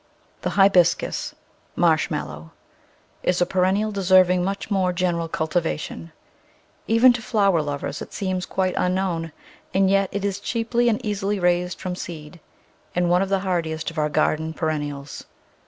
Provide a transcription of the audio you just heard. The Hibiscus (Marshmallow) is a perennial de serving much more general cultivation. Even to flower lovers it seems quite unknown, and yet it is cheaply and easily raised from seed, and one of the hardiest of our garden perennials.